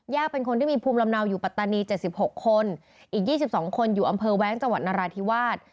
เป็นคนที่มีภูมิลำเนาอยู่ปัตตานี๗๖คนอีก๒๒คนอยู่อำเภอแว้งจังหวัดนราธิวาส